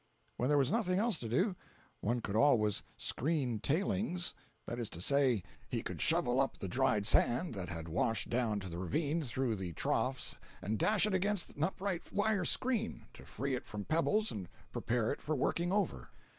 When there was nothing else to do, one could always "screen tailings." That is to say, he could shovel up the dried sand that had washed down to the ravine through the troughs and dash it against an upright wire screen to free it from pebbles and prepare it for working over.